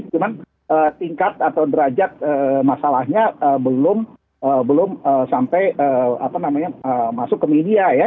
cuman tingkat atau derajat masalahnya belum sampai masuk ke media ya